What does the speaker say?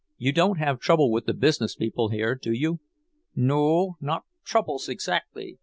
You don't have trouble with the business people here, do you?" "No o, not troubles, exactly."